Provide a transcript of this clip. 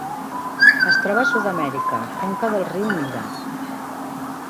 Es troba a Sud-amèrica: conca del riu Mira.